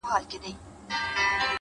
ښايستو کي خيالوري پيدا کيږي،